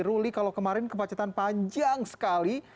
ruli kalau kemarin kemacetan panjang sekali